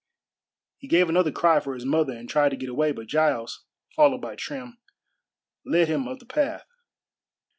He gave another cry for his mother and tried to get away, but Giles, followed by Trim, led him up the path.